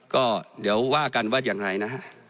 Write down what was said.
ก็เดี๋ยวว่ากันว่าอย่างไรนะฮะ